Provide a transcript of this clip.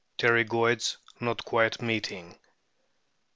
Pterygoids not quite meeting.